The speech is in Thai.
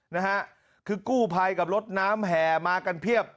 นะฮะคือกู้ภัยกับรถน้ำแห่มากันเพียบ